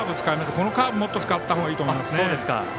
このカーブをもっと使ったほうがいいと思いますね。